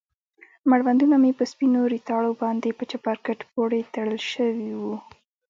مړوندونه مې په سپينو ريتاړو باندې په چپرکټ پورې تړل سوي وو.